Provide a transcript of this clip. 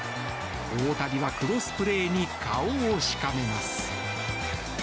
大谷はクロスプレーに顔をしかめます。